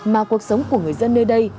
mà cuộc sống của người dân nơi đây